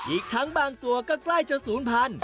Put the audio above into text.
อีกทั้งบางตัวก็ใกล้จะศูนย์พัน